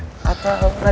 semalam mimpiin gua ya